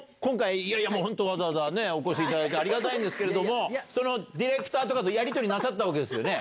本当わざわざお越しいただいてありがたいんですけれどもディレクターとかとやりとりなさったわけですよね。